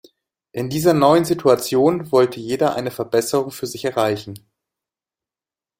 In dieser neuen Situation wollte jeder eine Verbesserung für sich erreichen.